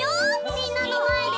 みんなのまえで？